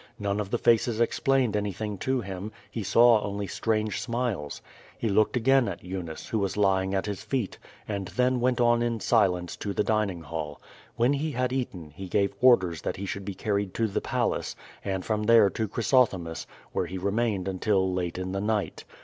None of the faces ex plained anything to him; he saw only strange smiles. He looked again at Eunice, who was lying at his feet, and then went on in silence to the dining hall. When he had eaten, he gave orders that he should be carried to the Palace, and from there to Chrysothemis, where he remained until late in the night.